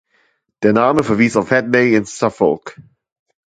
Der Name verwies auf Hadleigh in Suffolk.